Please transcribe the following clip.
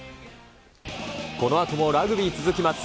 このあともラグビー続きます。